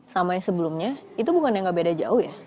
sama yang sebelumnya itu bukan yang nggak beda jauh ya